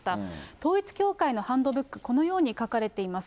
統一教会のハンドブック、このように書かれています。